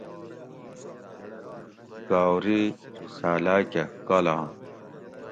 گاؤری رساۤلاۤ کہ کالام